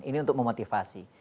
ini untuk memotivasi